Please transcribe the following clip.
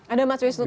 ada mas wisnu thama